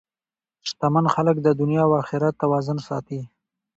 شتمن خلک د دنیا او اخرت توازن ساتي.